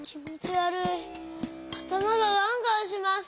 あたまがガンガンします！